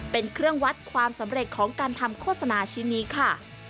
เป็นเครื่องวัดความสำเร็จของการทำโฆษณาชิ้นนี้ค่ะ